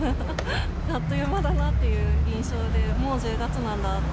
あっという間だなという印象で、もう１０月なんだって。